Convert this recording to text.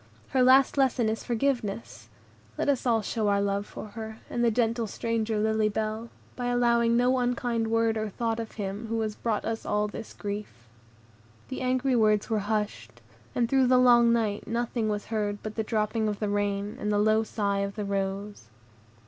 Her last lesson is forgiveness; let us show our love for her, and the gentle stranger Lily Bell, by allowing no unkind word or thought of him who has brought us all this grief." The angry words were hushed, and through the long night nothing was heard but the dropping of the rain, and the low sighs of the rose.